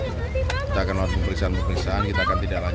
kita akan langsung periksaan periksaan kita akan tidak lihat